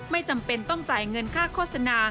ไม่จำเป็นต้องจ่ายเงินค่าโฆษณา